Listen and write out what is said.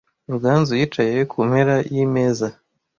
Ruganzu yicaye ku mpera yimeza